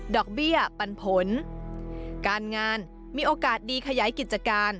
อกเบี้ยปันผลการงานมีโอกาสดีขยายกิจการ